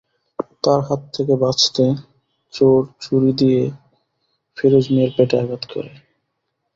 তাঁর হাত থেকে বাঁচতে চোর ছুরি দিয়ে ফিরোজ মিয়ার পেটে আঘাত করে।